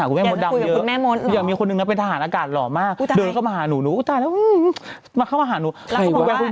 อ้าวคุณแม่หนูก็ลองบล๊อคคุณแม่สิ